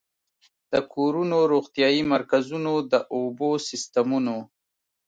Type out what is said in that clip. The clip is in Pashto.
د کورونو، روغتيايي مرکزونو، د اوبو سيستمونو